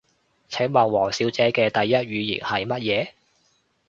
請問王小姐嘅第一語言係乜嘢？